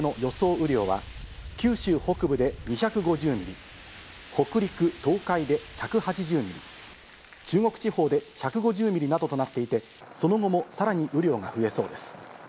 雨量は、九州北部で２５０ミリ、北陸、東海で１８０ミリ、中国地方で１５０ミリなどとなっていて、その後もさらに雨量が増えそうです。